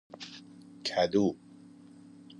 کدو